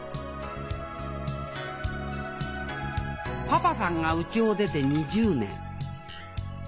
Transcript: パパさんがうちを出て２０年。